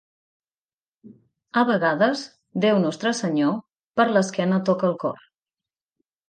A vegades, Déu nostre senyor, per l'esquena toca el cor.